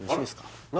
何？